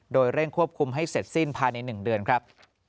โดยเร่งควบคุมให้เสร็จสิ้นภายใน๑เดือนครับ